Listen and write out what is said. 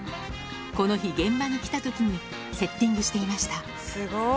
この日、現場に来たときにセッティングしていました。